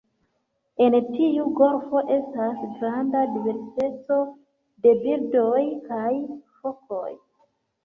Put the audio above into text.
En tiu golfo estas granda diverseco de birdoj kaj fokoj.